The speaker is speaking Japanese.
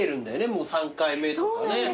もう３回目とかね。